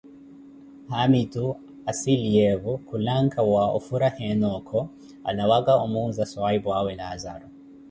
Haamitu anssiliyevo, khulanka wa ofhurahiwene okho alawaka omuuza swahipwaawe Laazaro.